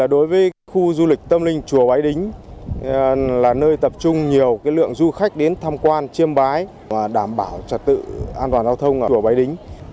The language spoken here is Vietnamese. du lịch tâm linh chùa báy đính là nơi tập trung nhiều lượng du khách đến tham quan chiêm bái và đảm bảo trật tự an toàn giao thông ở chùa báy đính